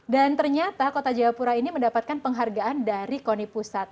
dan ternyata kota jayapura ini mendapatkan penghargaan dari koni pusat